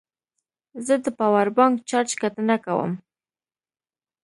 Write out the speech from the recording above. زه د پاور بانک چارج کتنه کوم.